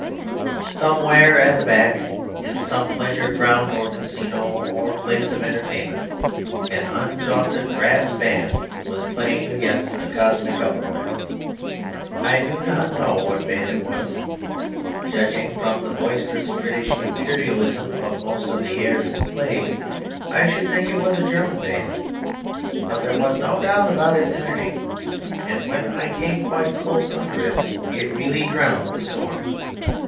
Somewhere at the back, in some pleasure ground or casino or place of entertainment, an undaunted brass band was playing against the cosmic uproar. I do not know what band it was. Judging from the boisterous British Imperialism of most of the airs it played, I should think it was a German band. But there was no doubt about its energy, and when I came quite close under it it really drowned the storm.